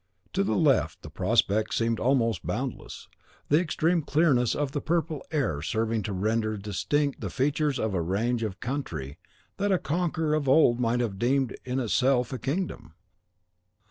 To the left, the prospect seemed almost boundless, the extreme clearness of the purple air serving to render distinct the features of a range of country that a conqueror of old might have deemed in itself a kingdom.